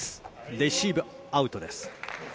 レシーブ、アウトです。